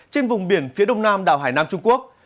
trên vùng biển phía đông nam đảo hải nam trung quốc